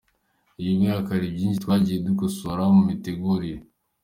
Uyu mwaka hari byinshi twagiye dukosora mu mitegurire.